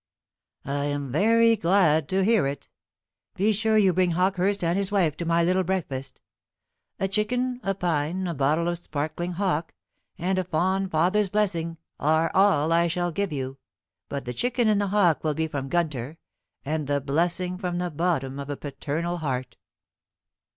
"I am very glad to hear it. Be sure you bring Hawkehurst and his wife to my little breakfast. A chicken, a pine, a bottle of sparkling hock, and a fond father's blessing, are all I shall give you; but the chicken and the hock will be from Gunter, and the blessing from the bottom of a paternal heart."